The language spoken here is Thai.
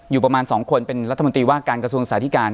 อยู่ประมาณ๒คนเป็นรัฐมนตรีว่าการกระทรวงสาธิการ